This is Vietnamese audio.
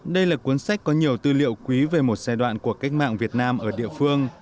đây là cuốn sách có nhiều tư liệu quý về một giai đoạn của cách mạng việt nam ở địa phương